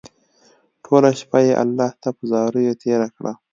ټوله شپه يې الله تعالی ته په زاريو تېره کړه